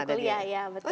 waktu aku kuliah ya betul